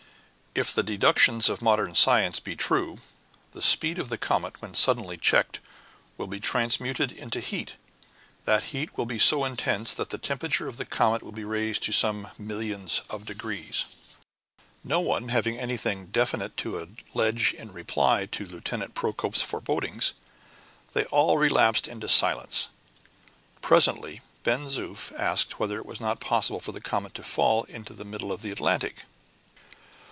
If the deductions of modern science be true, the speed of the comet, when suddenly checked, will be transmuted into heat, and that heat will be so intense that the temperature of the comet will be raised to some millions of degrees." No one having anything definite to allege in reply to Lieutenant Procope's forebodings, they all relapsed into silence. Presently Ben Zoof asked whether it was not possible for the comet to fall into the middle of the Atlantic.